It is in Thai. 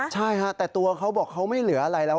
ใช่ฮะแต่ตัวเขาบอกเขาไม่เหลืออะไรแล้ว